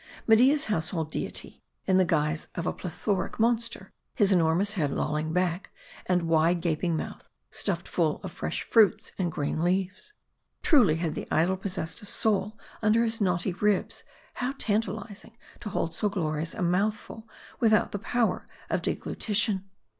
Media's household deity, in the guise of a plethoric monster, his enormous head lolling back, and wide, gaping mouth stuffed full of fresh fruits and green leaves. Truly, had the idol possessed a soul under his knotty ribs, how tantalizing to hold so glorious a mouthful without the power of deglutition.